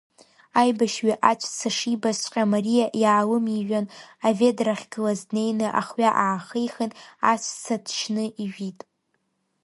Аибашьҩы аҵәца шибазҵәҟьа Мариа иаалымижәан, аведра ахьгылаз днеины ахҩа аахихын, аҵәца ҭшьны ижәит.